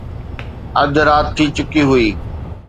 اڌ رات ٿي چڪي هئي